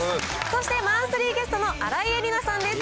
そして、マンスリーゲストの新井恵理那さんです。